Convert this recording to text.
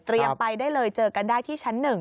ไปได้เลยเจอกันได้ที่ชั้น๑